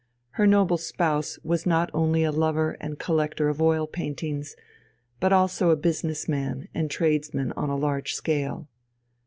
Her noble spouse was not only a lover and collector of oil paintings, but also a business man and tradesman on a large scale.